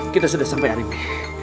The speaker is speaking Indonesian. kita sudah sampai arimie